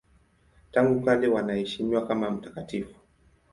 Tangu kale wanaheshimiwa kama mtakatifu.